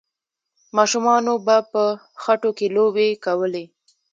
ماشومانو به په خټو کې لوبې کولې.